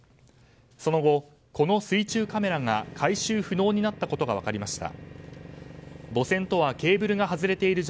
その後、この水中カメラが回収不能になったことが分かりました。